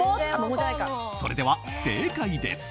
それでは正解です。